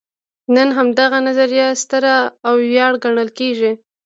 نن همدغه نظریه ستره ویاړ ګڼل کېږي.